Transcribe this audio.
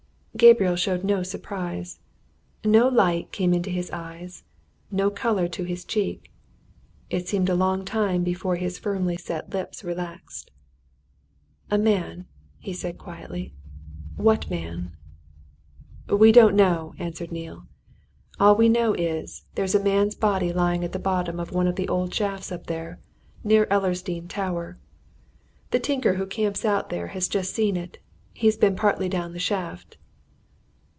Gabriel showed no surprise. No light came into his eyes, no colour to his cheek. It seemed a long time before his firmly set lips relaxed. "A man?" he said quietly. "What man?" "We don't know," answered Neale. "All we know is, there's a man's body lying at the bottom of one of the old shafts up there near Ellersdeane Tower. The tinker who camps out there has just seen it he's been partly down the shaft."